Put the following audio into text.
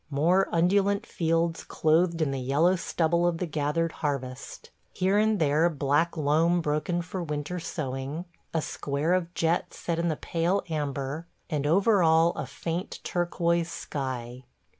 ... More undulant fields clothed in the yellow stubble of the gathered harvest. Here and there black loam broken for winter sowing – a square of jet set in the pale amber – and over all a faint, turquoise sky.